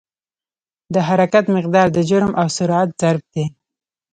د حرکت مقدار د جرم او سرعت ضرب دی.